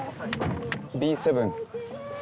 Ｂ７